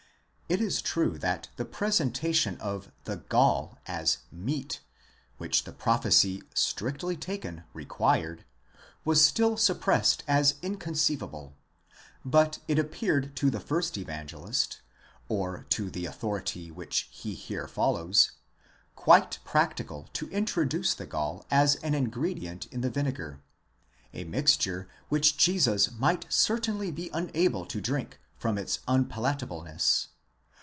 It is true that the presentation of the ga//, χολὴ, as meat, βρῶμα, which the prophecy strictly taken required, was still suppressed as inconceivable: but it appeared to the first Evangelist, or to the authority which he here follows, quite practicable to introduce the gall as an ingredient in the vinegar, a mixture which Jesus might certainly be unable to drink, from its unpalatableness.